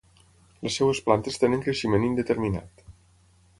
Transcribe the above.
Les seves plantes tenen creixement indeterminat.